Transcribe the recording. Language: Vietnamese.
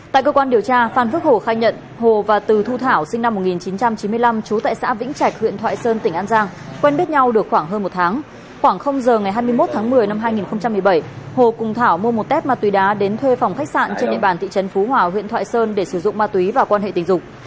một mươi một tháng một mươi năm hai nghìn một mươi bảy hồ cùng thảo mua một tép ma túy đá đến thuê phòng khách sạn trên địa bàn thị trấn phú hòa huyện thoại sơn để sử dụng ma túy và quan hệ tình dục